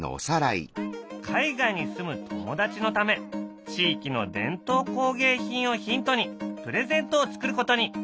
海外に住む友達のため地域の伝統工芸品をヒントにプレゼントを作ることに。